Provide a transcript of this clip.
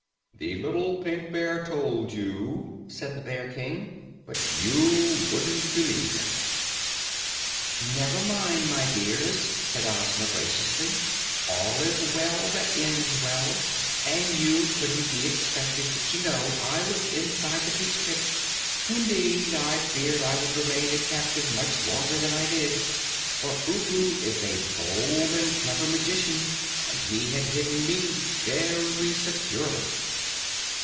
"The little Pink Bear told you," said the Bear King, "but you wouldn't believe him." "Never mind, my dears," said Ozma graciously, "all is well that ends well, and you couldn't be expected to know I was inside the peach pit. Indeed, I feared I would remain a captive much longer than I did, for Ugu is a bold and clever magician, and he had hidden me very securely."